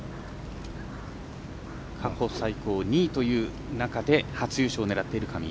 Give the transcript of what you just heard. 過去最高２位という中で初優勝を狙っている上井。